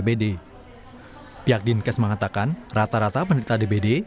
pihak dinas kesehatan kota depok mengatakan rata rata penderita dbd